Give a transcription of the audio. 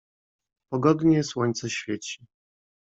"Pogodnie słońce świeci."